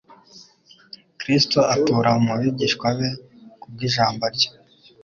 Kristo atura mu bigishwa be kubw'Ijambo rye.